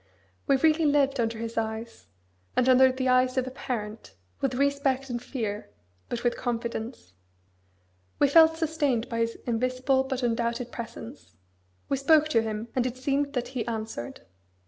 We really lived under His eyes, as under the eyes of a parent, with respect and fear, but with confidence. We felt sustained by His invisible but undoubted presence. We spoke to Him, and it seemed that He answered.